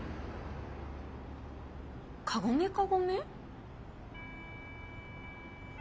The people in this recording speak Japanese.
「かごめかごめ」？